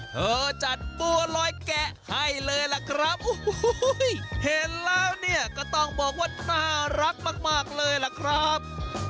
เธอจัดบัวลอยแกะให้เลยล่ะครับโอ้โหเห็นแล้วเนี่ยก็ต้องบอกว่าน่ารักมากเลยล่ะครับ